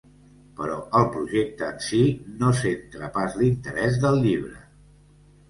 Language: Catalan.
Però el projecte en si no centra pas l’interès del llibre.